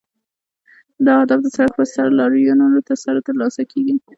دا اهداف د سړک پر سر لاریونونو سره ترلاسه کیږي.